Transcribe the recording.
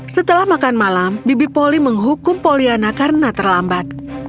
setelah makan malam bibi polly menghukum poliana karena terlambat